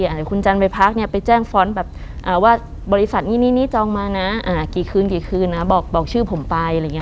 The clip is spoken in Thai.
อย่างคุณจันทร์ไปพักเนี่ยไปแจ้งฟ้อนแบบว่าบริษัทนี่นี่จองมานะกี่คืนกี่คืนนะบอกชื่อผมไปอะไรอย่างนี้